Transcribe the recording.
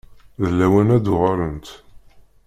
D lawan ad uɣalent.